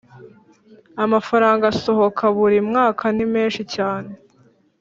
Amafaranga asohoka buri mwaka ni menshi cyane